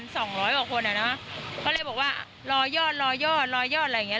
เธอก็ทำในสิ่งที่มันผิดกฎหมายดีกว่า